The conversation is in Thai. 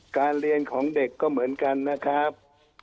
การเรียนของเด็กก็เหมือนกันนะครับ